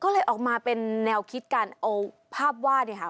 ก็เลยออกมาเป็นแนวคิดการเอาภาพวาดเนี่ยค่ะ